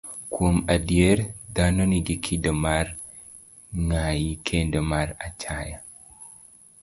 Kuom adier, dhano nigi kido mar ng'ayi kendo mar achaya.